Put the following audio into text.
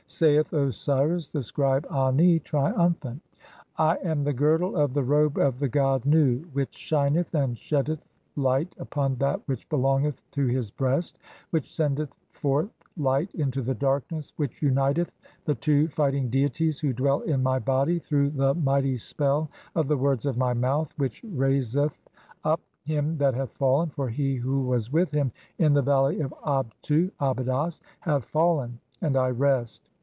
Saith Osiris, the scribe Ani, triumphant :— "I am (2) the girdle of the robe of the god Nu, which shineth "and sheddeth light upon that which belongeth to his breast, "which sendeth forth light into the darkness, which uniteth the "two fighting deities (3) who dwell in my body through the "mighty spell of the words of my mouth, which raiseth up "him that hath fallen — (4) for he who was with him in the "valley of Abtu (Abydos) hath fallen — and I rest.